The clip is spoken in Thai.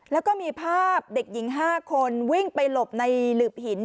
แล้วก็มีภาพเด็กหญิง๕คนวิ่งไปหลบในหลืบหิน